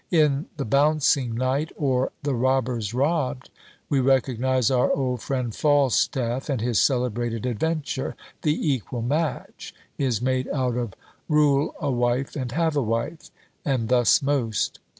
In "The bouncing Knight, or the Robbers robbed," we recognise our old friend Falstaff, and his celebrated adventure: "The Equal Match" is made out of "Rule a Wife and have a Wife;" and thus most.